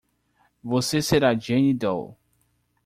Você será Jane Doe.